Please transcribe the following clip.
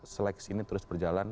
seleksi ini terus berjalan